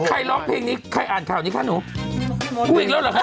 ใครร้องเพลงนี้ใครอ่านแถวนี้คะหนู